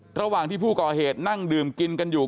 ระหว่างที่ผู้ก่อเหตุนั่งดื่มกินกันอยู่